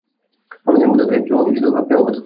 আমাদের মধ্যকার কেউ আপনার অবাধ্যতা করে না।